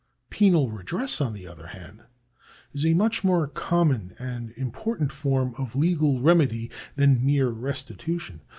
Penal redress, on the other hand, is a much more common and important form of legal remedy than mere restitution.